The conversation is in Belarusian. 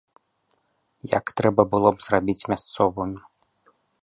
Як трэба было б зрабіць мясцовым.